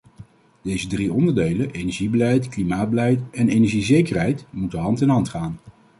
Deze drie onderdelen - energiebeleid, klimaatbeleid en energiezekerheid - moeten hand in hand gaan.